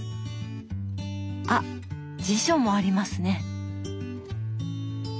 あっ辞書もありますね。